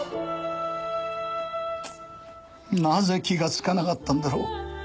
なぜ気がつかなかったんだろう。